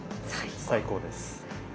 最高です。